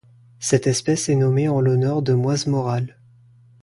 Cette espèce est nommée en l'honneur de Moises Morales.